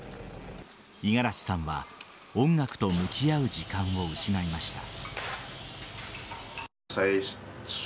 五十嵐さんは音楽と向き合う時間を失いました。